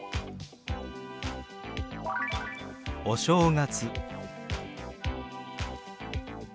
「お正月」。